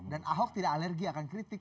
dan ahok tidak alergi akan kritik